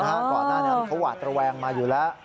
ก่อนหน้านั้นเขาหวาดระแวงมาอยู่แล้ว